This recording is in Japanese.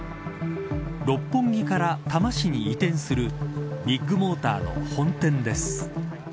六本木から多摩市に移転するビッグモーターの本店です。